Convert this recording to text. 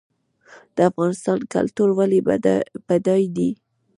د افغانستان کلتور ولې بډای دی؟